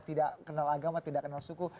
tidak kenal agama tidak kenal suku